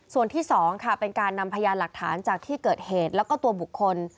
ส่วนที่๒ค่ะเป็นการนำพยานหลักฐานจากที่เกิดเหตุแล้วก็ตัวบุคคล